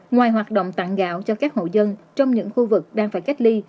ngoài hoạt động tặng gạo cho các hộ dân trong những khu vực đang phải cách ly